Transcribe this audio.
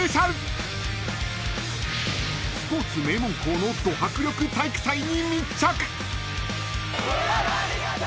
［スポーツ名門校のど迫力体育祭に密着！］